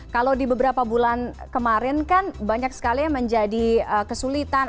kalau di beberapa bulan kemarin kan banyak sekali yang menjadi kesulitan